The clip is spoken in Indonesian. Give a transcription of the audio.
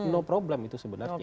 no problem itu sebenarnya